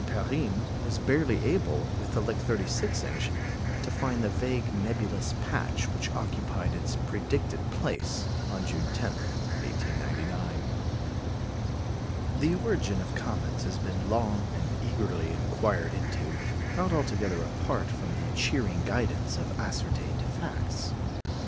Perrine was barely able, with the Lick 36 inch, to find the vague nebulous patch which occupied its predicted place on June 10, 1899. The origin of comets has been long and eagerly inquired into, not altogether apart from the cheering guidance of ascertained facts.